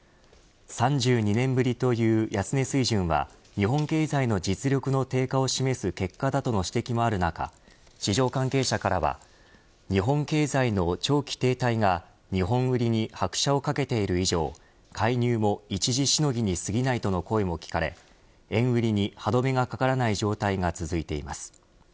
３２年ぶりという安値水準は日本経済の実力の低下を示す結果だとの指摘もある中、市場関係者からは日本経済の長期停滞が日本売りに拍車をかけている以上介入も一時しのぎに過ぎないとの声も聞かれ円売りに歯止めがかからない状態が続いています。